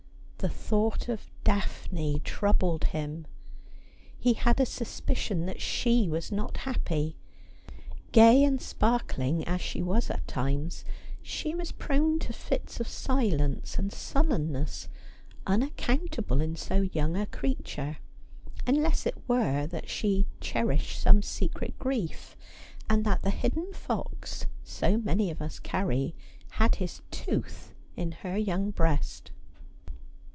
The thought of Daphne troubled him. He had a sus picion that she was not happy. Gay and sparkling as she M'as at times, she was prone to fits of silence and sullenness unac countable in so young a creature : unless it were that she cherished some secret grief, and that the hidden fox so many of us carry had his tooth in her young breast.